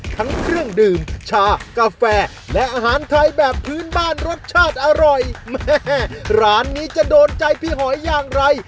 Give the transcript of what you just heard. ทั้งเครื่องดื่มชากาแฟและอาหารไทยแบบพื้นบ้านรสชาติอร่อยแม่ร้านนี้จะโดนใจพี่หอยอย่างไร